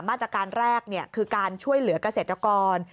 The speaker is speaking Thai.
มาตรการแรกคือการช่วยเหลือกเกษตรกร